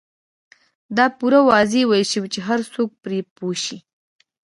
دا پوره واضح ويل شوي چې هر څوک پرې پوه شي.